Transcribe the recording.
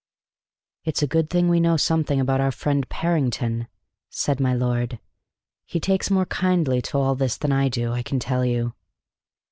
"It's a good thing we know something about our friend Parrington," said my lord. "He takes more kindly to all this than I do, I can tell you."